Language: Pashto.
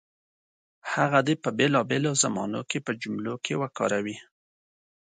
هغه دې په بېلابېلو زمانو کې په جملو کې وکاروي.